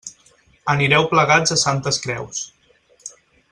Anireu plegats a Santes Creus.